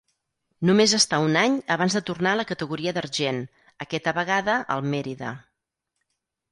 Només està un any abans de tornar a la categoria d'argent, aquesta vegada al Mérida.